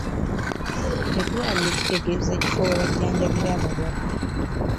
Eddwaliro kitegeeza ekifo we bajjanjabira abalwadde.